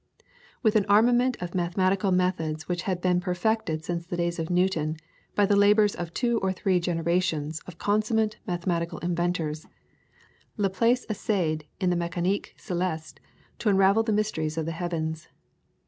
With an armament of mathematical methods which had been perfected since the days of Newton by the labours of two or three generations of consummate mathematical inventors, Laplace essayed in the "Mecanique Celeste" to unravel the mysteries of the heavens.